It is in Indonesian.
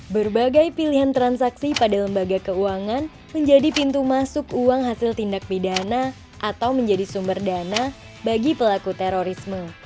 berbagai pilihan transaksi pada lembaga keuangan menjadi pintu masuk uang hasil tindak pidana atau menjadi sumber dana bagi pelaku terorisme